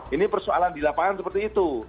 ini persoalan di lapangan seperti itu